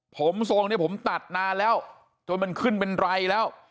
ผมทรงเนี่ยผมตัดนานแล้วจนมันขึ้นเป็นไรแล้ว